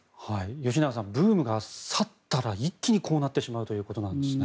吉永さんブームが去ったら一気にこうなってしまうということなんですね。